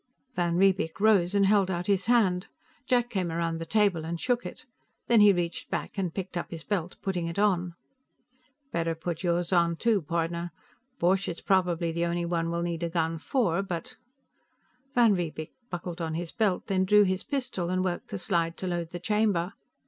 Van Riebeek rose and held out his hand; Jack came around the table and shook it. Then he reached back and picked up his belt, putting it on. "Better put yours on, too, partner. Borch is probably the only one we'll need a gun for, but " Van Riebeek buckled on his belt, then drew his pistol and worked the slide to load the chamber.